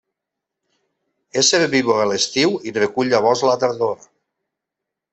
És herbívor a l'estiu i recull llavors a la tardor.